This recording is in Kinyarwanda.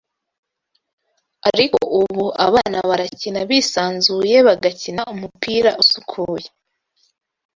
ariko ubu abana barakina bisanzuye bagakina umupira usukuye